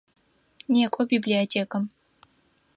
Некӏо библиотекэм!